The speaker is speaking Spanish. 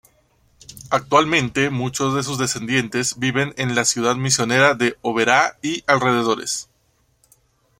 Actualmente, muchos de sus descendientes viven en la ciudad misionera de Oberá y alrededores.